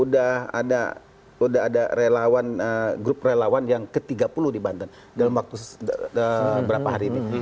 sudah ada grup relawan yang ke tiga puluh di banten dalam waktu berapa hari ini